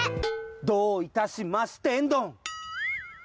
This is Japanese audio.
どういたしましてんどん！